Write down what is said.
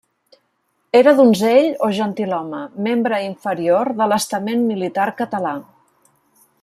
Era donzell o gentilhome, membre inferior de l'estament militar català.